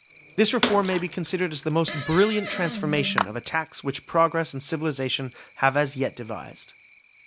This reform may be considered as the most brilliant transformation of a tax which progress and civilisation have as yet devised.